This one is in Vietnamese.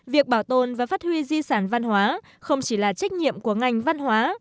việc bảo tồn và phát huy di sản văn hóa không chỉ là trách nhiệm của ngành văn hóa